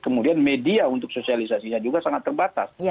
kemudian media untuk sosialisasinya juga sangat terbatas